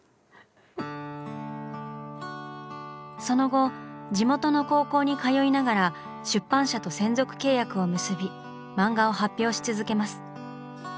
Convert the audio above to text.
その後地元の高校に通いながら出版社と専属契約を結び漫画を発表し続けます。